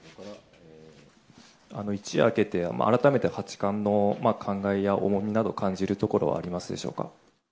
一夜明けて、改めて八冠の感慨や重みなど、感じるところありますでしょうか。